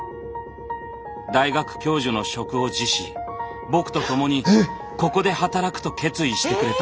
大学教授の職を辞し僕と共にここで働くと決意してくれた。